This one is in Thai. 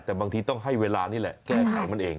แต่บางทีต้องให้เวลานี่แหละแก้ไขมันเอง